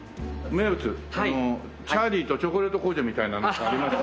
あの『チャーリーとチョコレート工場』みたいなのってあります？